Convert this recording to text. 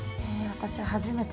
私初めて。